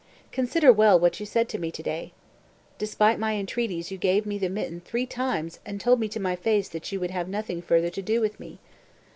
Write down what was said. Consider well what you said to me today. Despite my entreaties you gave me the mitten three times and told me to my face that you would have nothing further to do with me.